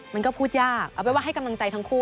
มันก็พูดยากเอาเป็นว่าให้กำลังใจทั้งคู่